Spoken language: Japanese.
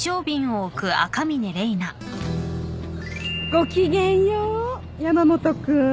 ごきげんよう山本君。